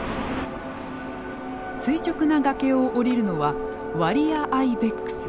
垂直な崖を降りるのはワリアアイベックス。